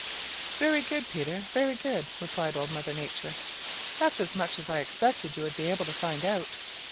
"Very good, Peter, very good," replied Old Mother Nature, "That's as much as I expected you would be able to find out.